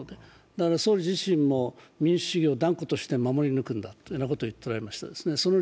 だから総理自身も民主主義を断固として守り抜くんだということを言っておられましたね。